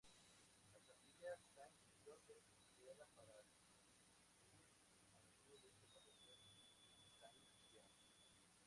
La capilla Saint-Joseph: creada para sustituir a la antigua iglesia parroquial Saint-Jean.